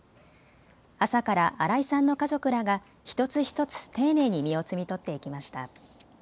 朝から荒井さんの家族らが一つ一つ丁寧に実を摘み取っていきました。